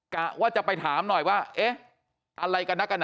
กะว่าจะไปถามหน่อยว่าเอ๊ะอะไรกันนักกัน